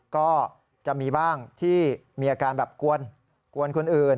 ก็จะมีบ้างที่มีอาการแบบกวนคนอื่น